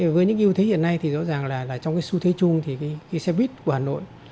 với những ưu thế hiện nay thì rõ ràng là trong cái xu thế chung thì cái xe buýt của hà nội